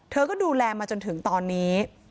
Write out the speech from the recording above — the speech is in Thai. เธอก็ดูแลมาจนถึงตอนนี้